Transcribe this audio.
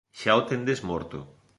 Xa o tendes morto.